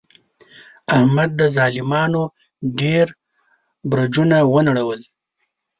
احمد د ظالمانو ډېر برجونه و نړول.